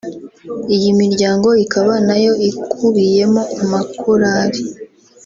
Iyi miryango ikaba nayo ikubiyemo amakorali